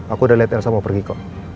aku udah lihat elsa mau pergi kok